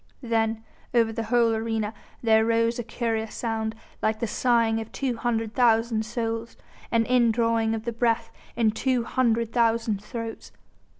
Then over the whole arena there rose a curious sound, like the sighing of two hundred thousand souls, an indrawing of the breath in two hundred thousand throats.